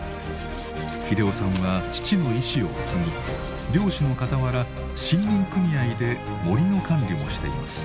英雄さんは父の意志を継ぎ漁師のかたわら森林組合で森の管理もしています。